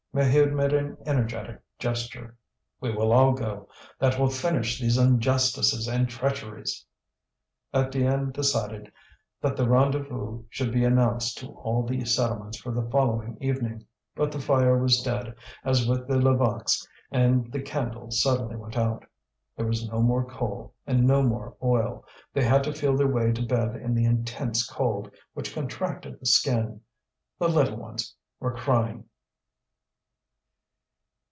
Maheude made an energetic gesture. "We will all go. That will finish these injustices and treacheries." Étienne decided that the rendezvous should be announced to all the settlements for the following evening. But the fire was dead, as with the Levaques, and the candle suddenly went out. There was no more coal and no more oil; they had to feel their way to bed in the intense cold which contracted the skin. The little ones were crying.